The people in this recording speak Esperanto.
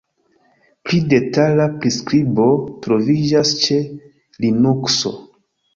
Pli detala priskribo troviĝas ĉe Linukso.